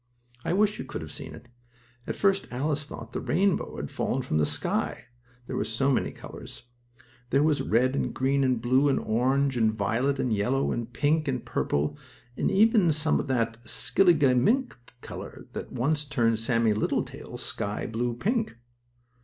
I wish you could have seen it! At first Alice thought the rainbow had fallen from the sky, there were so many colors. There was red and green and blue and orange and violet and yellow and pink and purple and even some of that skilligimink color, that once turned Sammie Littletail sky blue pink.